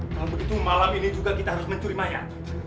kalau begitu malam ini juga kita harus mencuri maya